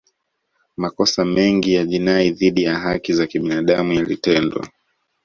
Makosa mengi ya jinai dhidi ya haki za kibinadamu yalitendwa